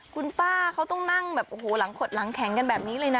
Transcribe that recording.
คุณป้าเขาต้องนั่งแบบโอ้โหหลังขดหลังแข็งกันแบบนี้เลยนะ